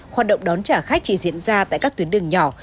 hoạt động đón trả khách chỉ diễn ra tại các tuyến đường nhỏ